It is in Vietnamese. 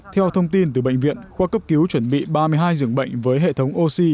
theo thông tin từ bệnh viện khoa cấp cứu chuẩn bị ba mươi hai dưỡng bệnh với hệ thống oxy